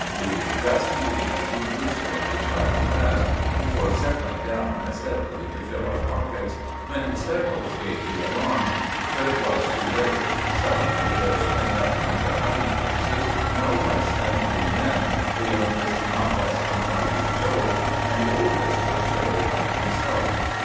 We were just eating a few gooseberries rather fast, before settling down steadily to fill our pockets, when Steggles gave the alarm. But it was too late. Suddenly there sprang up from their hiding places no less than three men—the youngest not less than twenty years old; and the eldest was Cherry Ripe himself.